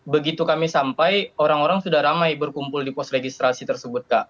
begitu kami sampai orang orang sudah ramai berkumpul di pos registrasi tersebut kak